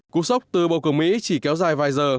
cú sốc từ bầu cử mỹ chỉ kéo dài vài giờ